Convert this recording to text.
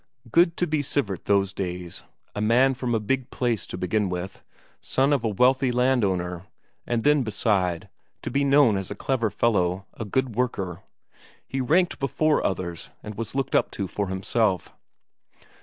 Good to be Sivert those days, a man from a big place to begin with, son of a wealthy landowner and then beside, to be known as a clever fellow, a good worker; he ranked before others, and was looked up to for himself.